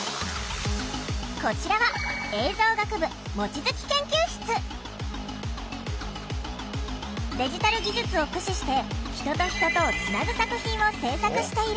こちらはデジタル技術を駆使して人と人とをつなぐ作品を製作している。